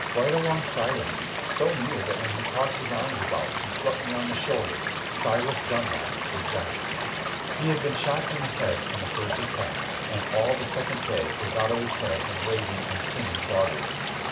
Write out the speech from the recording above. Right alongside of me, so near that when he tossed his arms about he struck me on the shoulder, Silas Dunlap was dying. He had been shot in the head in the first attack, and all the second day was out of his head and raving and singing doggerel.